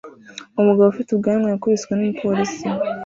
Umugabo ufite ubwanwa yakubiswe n'umupolisi